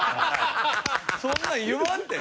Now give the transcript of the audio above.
そんなん言わんって。